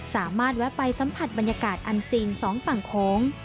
แวะไปสัมผัสบรรยากาศอันซีนสองฝั่งโขง